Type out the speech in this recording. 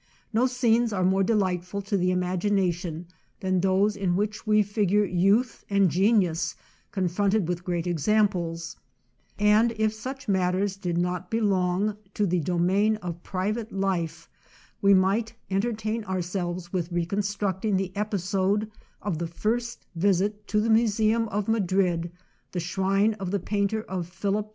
No scenes are more delightful to the imagination than those in which we figure youth and genius confronted with great examples, and if such matters did not belong to the domain of private life we might entertain ourselves with re constructing the episode of the first visit to the museum of Madrid, the shrine of the painter of Philip IV.